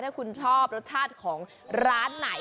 ถ้าคุณชอบรสชาติของร้านไหน